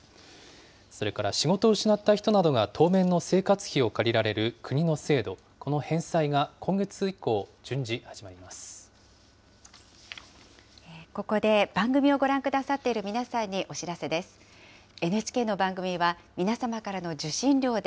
それから仕事を失った人などが当面の生活費を借りられる国の制度、この返済が今月以降、順次、始まります。